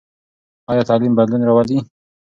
ایا تعلیم بدلون راولي؟